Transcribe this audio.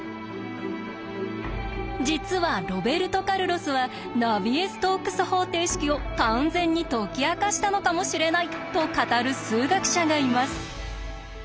実はロベルト・カルロスはナビエ・ストークス方程式を完全に解き明かしたのかもしれないと語る数学者がいます。